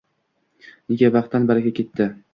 Nega vaqtdan baraka ketdiI?